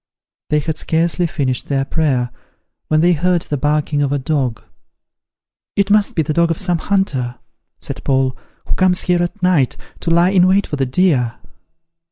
They had scarcely finished their prayer, when they heard the barking of a dog. "It must be the dog of some hunter," said Paul, "who comes here at night, to lie in wait for the deer."